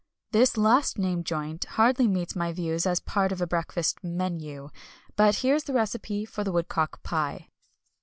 This last named joint hardly meets my views as part of a breakfast menu; but here is the recipe for the woodcock pie.